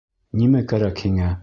Нимә кәрәк һиңә?